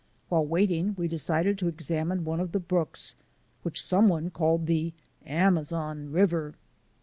While waiting we de cided to examine one of the brooks, which someone called the Amazon River.